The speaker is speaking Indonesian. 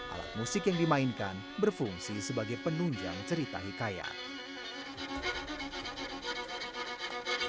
alat musik yang dimainkan berfungsi sebagai penunjang cerita hikayat